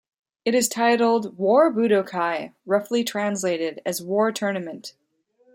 It is titled War Budokai, roughly translated as "War Tournament".